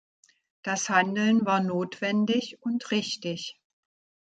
Das Handeln war notwendig und richtig.